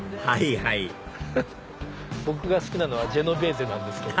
はいはい僕が好きなのはジェノベーゼ。